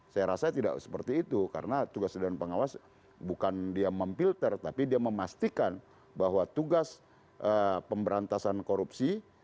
saya rasa tidak seperti itu karena tugas dewan pengawas bukan dia memfilter tapi dia memastikan bahwa tugas pemberantasan korupsi